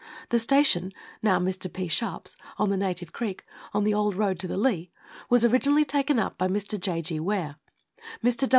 The station (now Mr. P. Sharpens) on the Native Creek, on the old road to the Leigh, was originally taken up by Mr. J. G. Ware. Mr.